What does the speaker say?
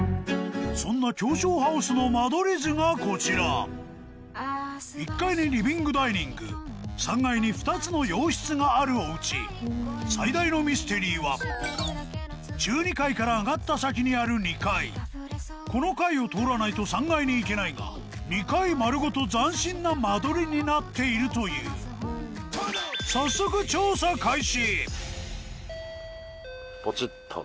そんな狭小ハウスの間取り図がこちら１階にリビングダイニング３階に２つの洋室があるお家最大のミステリーは中２階から上がった先にある２階この階を通らないと３階に行けないが２階まるごと斬新な間取りになっているという早速ポチッとな。